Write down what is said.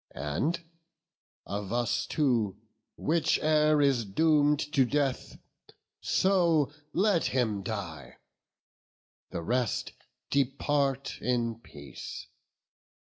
And of us two whiche'er is doom'd to death, So let him die! the rest, depart in peace.